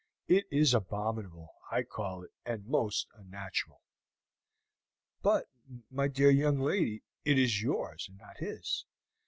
It is abominable, I call it, and most unnatural." "But, my dear young lady, it is yours, and not his.